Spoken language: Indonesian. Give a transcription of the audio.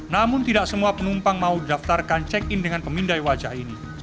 namun tidak semua penumpang mau didaftarkan check in dengan pemindai wajah ini